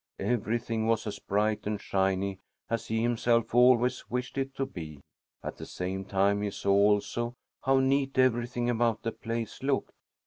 Everything was as bright and shiny as he himself always wished it to be. At the same time he saw, also, how neat everything about the place looked.